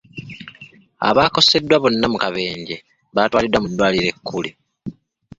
Abaakoseddwa bonna mu kabenje baatwaliddwa mu ddwaliro ekkulu.